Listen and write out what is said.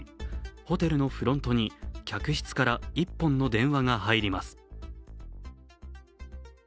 ホテルのフロントに客室から１本の電話が入ります。